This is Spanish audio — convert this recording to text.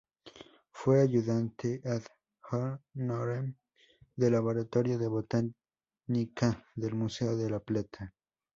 Fue ayudante "ad honorem" del "Laboratorio de Botánica" del Museo de La Plata.